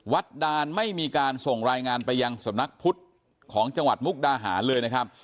ดานไม่มีการส่งรายงานไปยังสำนักพุทธของจังหวัดมุกดาหารเลยนะครับ